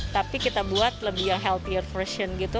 tapi kita buat lebih yang healthier version gitu